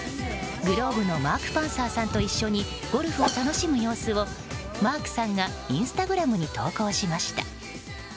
ｇｌｏｂｅのマーク・パンサーさんと一緒にゴルフを楽しむ様子をマークさんがインスタグラムに投稿しました。